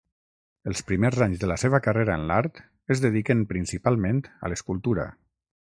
Els primers anys de la seva carrera en l’art es dediquen principalment a l’escultura.